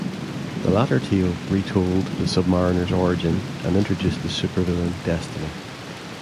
The latter tale retold the Sub-Mariner's origin and introduced the supervillain Destiny.